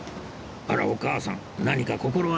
あらお母さん何か心当たりが？